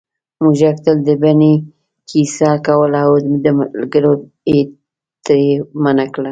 موږک تل د بنۍ کیسه کوله او ملګرو یې ترې منع کړ